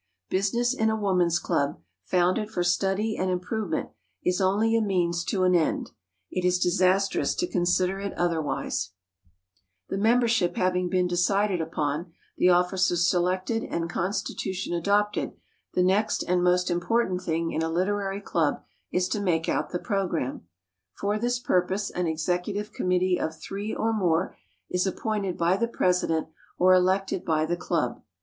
Business in a woman's club, founded for study and improvement, is only a means to an end. It is disastrous to consider it otherwise. [Sidenote: MAKING OUT THE PROGRAM] The membership having been decided upon, the officers selected and constitution adopted, the next and most important thing in a literary club is to make out the program. For this purpose an executive committee of three or more is appointed by the president or elected by the club.